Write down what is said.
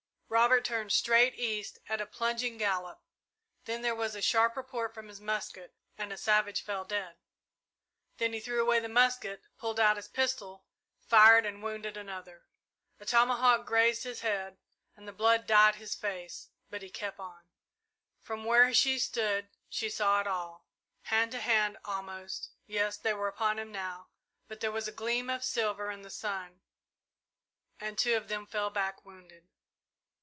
Robert turned straight east at a plunging gallop, then there was a sharp report from his musket and a savage fell dead. Then he threw away the musket, pulled out his pistol, fired and wounded another. A tomahawk grazed his head and the blood dyed his face, but he kept on. From where she stood, she saw it all. Hand to hand, almost yes, they were upon him now, but there was a gleam of silver in the sun and two of them fell back, wounded.